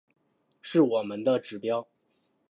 是我们的指标